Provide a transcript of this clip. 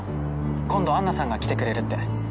今度杏奈さんが来てくれるって。